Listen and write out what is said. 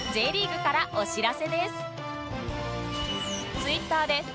Ｔｗｉｔｔｅｒ で＃